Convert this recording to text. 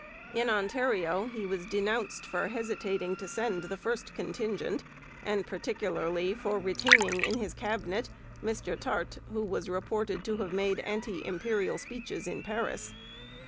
In Ontario he was denounced for hesitating to send the first contingent, and particularly for retaining in his Cabinet Mr Tarte, who was reported to have made anti imperial speeches in Paris.